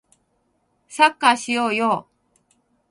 サッカーしようよ